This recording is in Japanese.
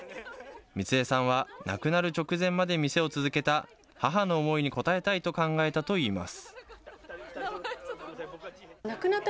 光恵さんは、亡くなる直前まで店を続けた母の思いに応えたいと考えたといいます。